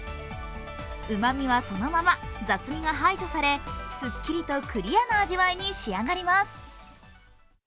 うまみはそのまま、雑味が排除されすっきりとクリアな味わいに仕上がります。